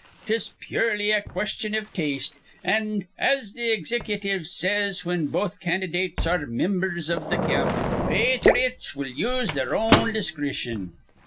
'Tis purely a question iv taste, an', as the ixicutive says whin both candydates are mimbers iv th' camp, 'Pathrites will use their own discreetion.'